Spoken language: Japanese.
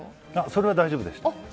それは大丈夫でした。